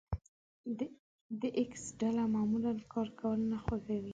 د ايکس ډله معمولا کار کول نه خوښوي.